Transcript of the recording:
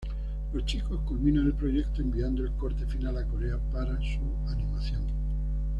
Los chicos culminan el proyecto enviando el corte final a Corea para su animación.